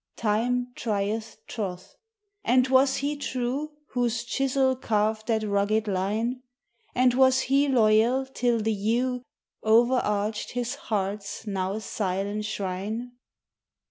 "Time trieth troth." And was he true Whose chisel carved that rugged line? And was he loyal till the yew O'erarched his heart's now silent shrine?